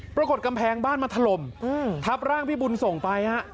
กำแพงบ้านมาถล่มทับร่างพี่บุญส่งไปฮะ